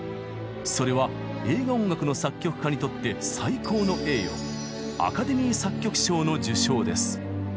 それは映画音楽の作曲家にとって最高の栄誉アカデミー作曲賞の受賞です。